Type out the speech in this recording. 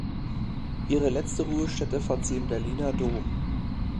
Ihre letzte Ruhestätte fand sie im Berliner Dom.